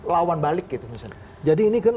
lawan balik gitu misalnya jadi ini kan